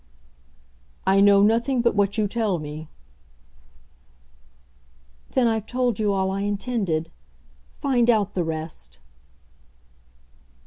"I know nothing but what you tell me." "Then I've told you all I intended. Find out the rest